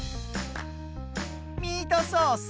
ミートソース。